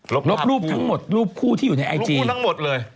ลบรูปทั้งหมดรูปคู่ที่อยู่ในไอจีทั้งหมดเลย